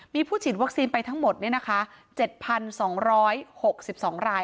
มีผู้ฉีดวัคซีนไปทั้งหมด๗๒๖๒ราย